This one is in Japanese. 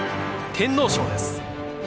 天皇賞です。